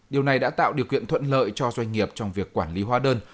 điều này đã tạo điều kiện thuận lợi cho doanh nghiệp trong việc quản lý hóa đơn